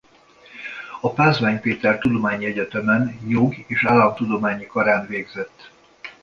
A Pázmány Péter Tudományegyetemen Jog-és Államtudományi Karán végzett.